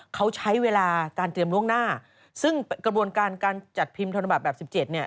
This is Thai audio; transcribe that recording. เขาใช้เวลาการเตรียมล่วงหน้าซึ่งกระบวนการการจัดพิมพ์ธนบัตรแบบสิบเจ็ดเนี่ย